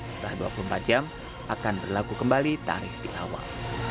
setelah dua puluh empat jam akan berlaku kembali tarif di awal